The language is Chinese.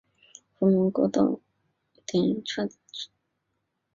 壸门过道顶有砖砌叠涩藻井。